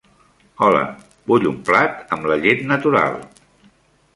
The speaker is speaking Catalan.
Hola, vull un plat, amb la llet natural.